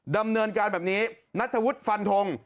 ดำเนินการแบบนี้นัทธวุฒิฟันทง